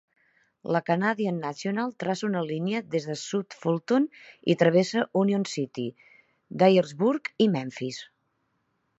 La Canadian National traça una línia des de South Fulton i travessa Union City, Dyersburg i Memphis.